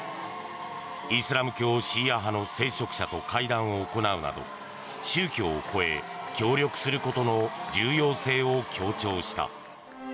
イスラム教シーア派の聖職者と会談を行うなど宗教を超え協力することの重要性を強調した。